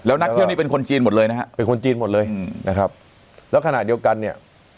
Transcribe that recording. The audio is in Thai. นักเที่ยวนี้เป็นคนจีนหมดเลยนะฮะเป็นคนจีนหมดเลยนะครับแล้วขณะเดียวกันเนี่ย